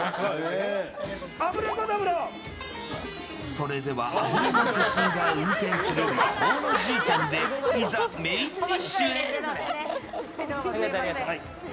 それでは魔人の化身が運転する魔法のじゅうたんでいざ、メインディッシュへ！